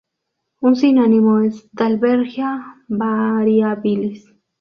Un sinónimo es "Dalbergia variabilis".